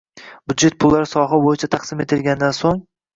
Byudjet pullari sohalar bo‘yicha taqsim etilgandan so‘ng